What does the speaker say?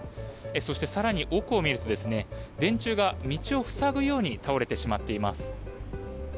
そして更に奥を見ると電柱が道を塞ぐように倒れてしまっています。